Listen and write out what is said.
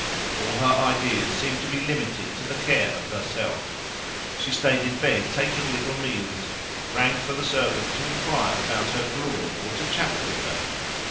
All her ideas seemed to be limited to the care of herself. She stayed in bed taking little meals, rang for the servant to inquire about her gruel or to chat with her.